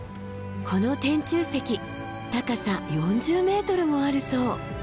この天柱石高さ４０ｍもあるそう。